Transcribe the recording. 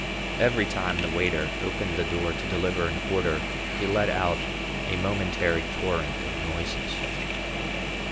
Every time the waiter opened the door to deliver an order he let out a momentary torrent of noises.